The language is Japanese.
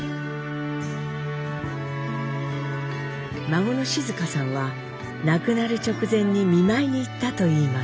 孫の静河さんは亡くなる直前に見舞いに行ったと言います。